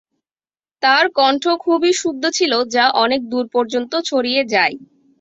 তার কন্ঠ খুবই শুদ্ধ ছিল যা অনেক দূর পর্যন্ত ছড়িয়ে যায়।